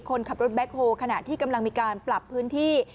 คนขับรถแบ็คโฮขณะที่กำลังมีการปรับพื้นที่